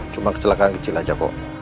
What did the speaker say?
cuma kecelakaan kecil aja kok